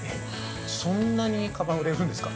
そんなにかばん売れるんですか。